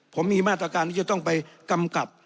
ผมมีมาตรการที่จะต้องไปกำกับ